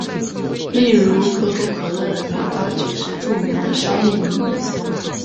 例如可口可乐的配方就是著名的商业秘密。